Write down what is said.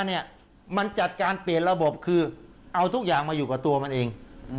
มันจัดการเปลี่ยนระบบคือเอาทุกอย่างมาอยู่กับตัวมันเอง